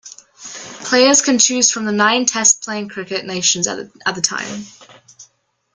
Players can choose from the nine Test playing cricket nations at the time.